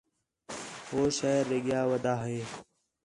ہو شہر ݙے ڳِیا ودا ہے